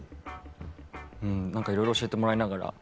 うん何かいろいろ教えてもらいながら。